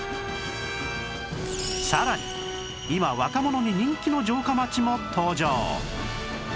さらに今若者に人気の城下町も登場